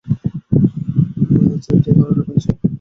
ছেলেটি এ কারণেই মায়ের সম্পর্কে নীরব।